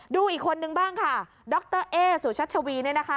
ดูอีกคนนึงบ้างค่ะดรเอ๊สุชัชวีเนี่ยนะคะ